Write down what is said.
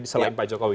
selain pak jokowi